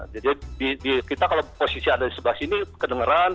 jadi kita kalau posisi ada di sebelah sini kedengeran